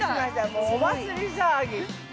もうお祭り騒ぎ。